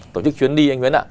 tổ chức chuyến đi anh nguyễn ạ